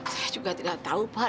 saya juga tidak tahu pak